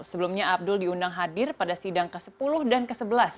sebelumnya abdul diundang hadir pada sidang ke sepuluh dan ke sebelas